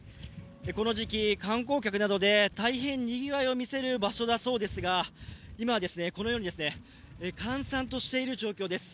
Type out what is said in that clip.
この時期、観光客などで大変にぎわいを見せる場所だそうですが今はこのように閑散としている状況です。